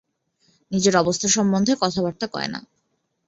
নিজের অবস্থা সম্বন্ধে কথাবার্তা কয় না।